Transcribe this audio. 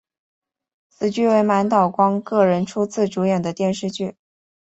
此剧为满岛光个人初次主演的电视剧。